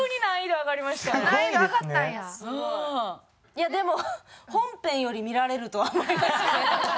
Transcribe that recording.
いやでも本編より見られるとは思いますね。